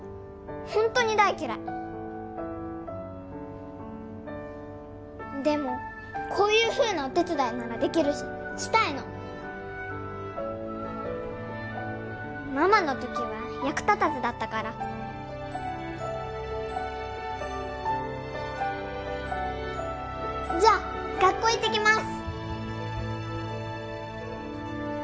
ホントに大嫌いでもこういうふうなお手伝いならできるししたいのママのときは役立たずだったからじゃあ学校行ってきます